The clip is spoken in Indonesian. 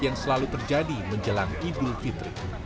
yang selalu terjadi menjelang idul fitri